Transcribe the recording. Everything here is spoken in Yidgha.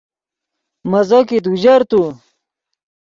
مزو کیت اوژر تو